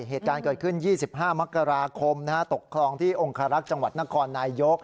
เหตุการณ์เกิดขึ้น๒๕มกราคมตกคลองที่องคารักษ์จังหวัดนครนายยก